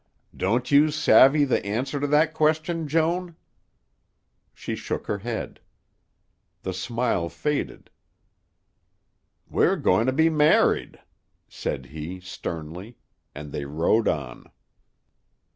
"Don't you savvy the answer to that question, Joan?" She shook her head. The smile faded. "We're goin' to be married," said he sternly, and they rode on.